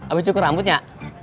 abis cukur rambutnya